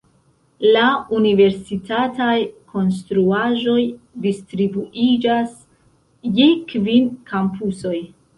La universitataj konstruaĵoj distribuiĝas je kvin kampusoj.